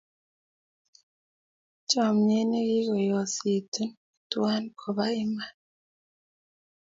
Chomye nekiyosekitun tuwai kobo iman